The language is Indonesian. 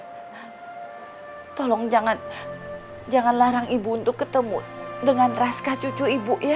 hai tolong jangan jangan larang ibu untuk ketemu dengan raskah cucu ibu ya